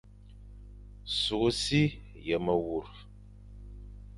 Sukh si ye mewur,